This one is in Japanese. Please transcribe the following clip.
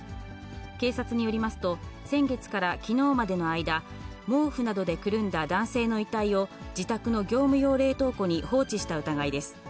警察によりますと、先月からきのうまでの間、毛布などでくるんだ男性の遺体を、自宅の業務用冷凍庫に放置した疑いです。